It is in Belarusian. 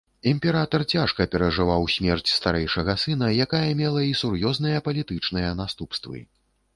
Імператар цяжка перажываў смерць старэйшага сына, якая мела і сур'ёзныя палітычныя наступствы.